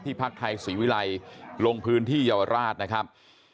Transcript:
ที่พรรคไทยสวีวิรัยลงพื้นที่เยาวราชนะครับ